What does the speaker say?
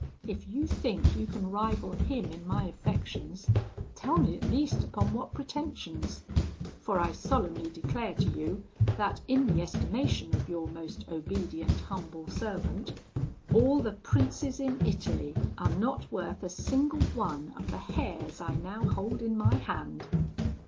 If you think you can rival him in my affections, tell me at least upon what pretensions; for I solemnly declare to you, that, in the estimation of your most obedient humble servant, all the princes in Italy are not worth a single one of the hairs I now hold in my hand.'